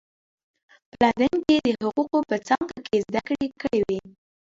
په لندن کې یې د حقوقو په څانګه کې زده کړې کړې وې.